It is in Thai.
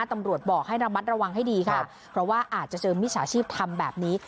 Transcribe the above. ตำรวจบอกให้ระมัดระวังให้ดีค่ะเพราะว่าอาจจะเจอมิจฉาชีพทำแบบนี้